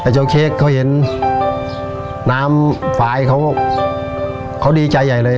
เจ้าเค้กเขาเห็นน้ำฝ่ายเขาดีใจใหญ่เลย